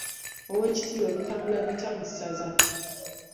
Oweekitiibwa bitambula bitya mu ssaza?